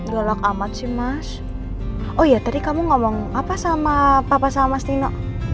jelak amat sih mas oh ya tadi kamu ngomong apa sama papa sama stino